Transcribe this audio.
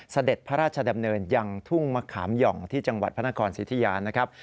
เสด็จพระราชดำเนินยังทุ่งมะขามหย่องที่จังหวัดพระนครสิทธิยานะครับ